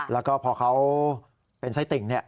และพอเขายังเป็นไส้ติ่ง